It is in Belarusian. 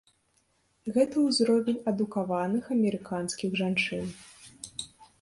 Гэта ўзровень адукаваных амерыканскіх жанчын.